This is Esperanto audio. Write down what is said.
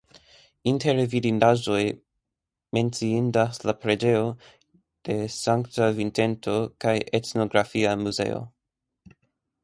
Inter vidindaĵoj menciindas la preĝejo de Sankta Vincento kaj etnografia muzeo.